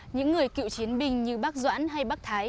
những người cựu chiến binh như bác doãn hay bác thái